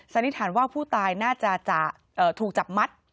นิษฐานว่าผู้ตายน่าจะถูกจับมัด